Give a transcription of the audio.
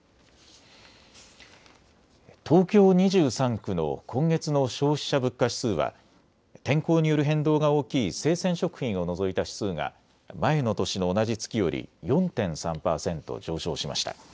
東京２３区の今月の消費者物価指数は天候による変動が大きい生鮮食品を除いた指数が前の年の同じ月より４．３％上昇しました。